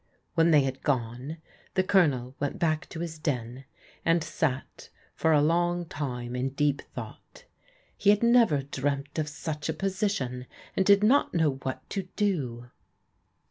When they had gone, the Colonel went back to his den, and sat for a long time in deep thought. He had never dreamt of such a position, and did not know what to do.